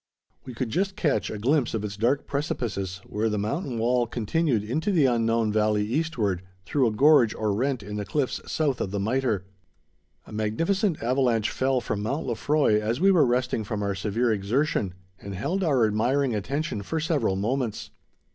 We could just catch a glimpse of its dark precipices, where the mountain wall continued into the unknown valley eastward, through a gorge or rent in the cliffs south of the Mitre. A magnificent avalanche fell from Mount Lefroy as we were resting from our severe exertion, and held our admiring attention for several moments.